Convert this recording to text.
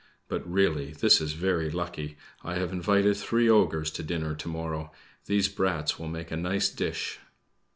But, really, this is very lucky! I have invited three ogres to dinner to morrow; these brats will make a nice dish."